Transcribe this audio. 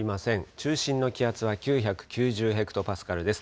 中心の気圧は９９０ヘクトパスカルです。